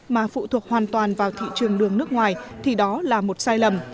mà phụ thuộc hoàn toàn vào thị trường đường nước ngoài thì đó là một sai lầm